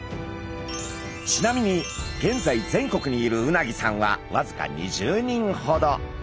ちなみに現在全国にいる鰻さんはわずか２０人ほど。